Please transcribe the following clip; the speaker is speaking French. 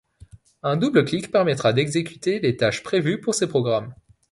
Un double clic permettra d'exécuter les tâches prévues pour ces programmes.